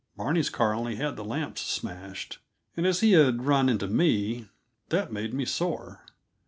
Barney's car only had the lamps smashed, and as he had run into me, that made me sore.